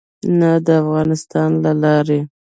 نه د افغانستان له لارې.